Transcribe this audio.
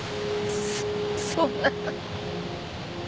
そそんな。